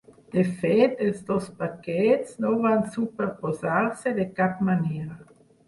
De fet, els dos paquets no van superposar-se de cap manera.